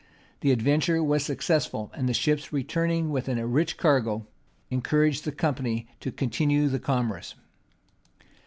The adventure was successful; and the ships returning with a rich cargo, encouraged the company to continue the commerce.